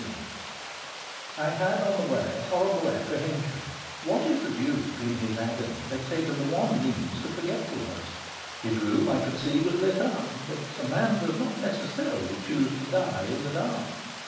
XIII I had on the way a horrible apprehension. What if the Duke, in his agony, had taken the one means to forgetfulness? His room, I could see, was lit up; but a man does not necessarily choose to die in the dark.